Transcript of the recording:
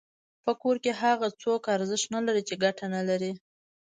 په کور کي هغه څوک ارزښت نلري چي ګټه نلري.